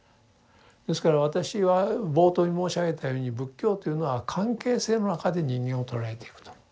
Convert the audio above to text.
ですから私は冒頭に申し上げたように仏教というのは関係性の中で人間を捉えていくと。